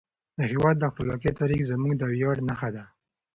د هیواد د خپلواکۍ تاریخ زموږ د ویاړ نښه ده.